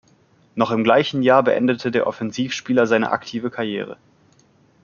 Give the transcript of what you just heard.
Noch im gleichen Jahr beendete der Offensivspieler seine aktive Karriere.